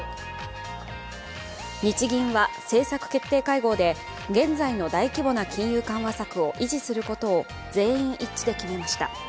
日銀は政策決定会合で現在の大規模な金融緩和策を維持することを全員一致で決めました。